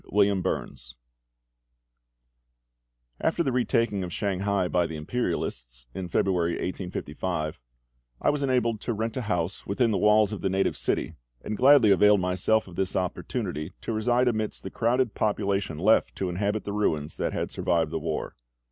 WILLIAM BURNS AFTER the retaking of Shanghai by the Imperialists, in February 1855, I was enabled to rent a house within the walls of the native city, and gladly availed myself of this opportunity to reside amidst the crowded population left to inhabit the ruins that had survived the war.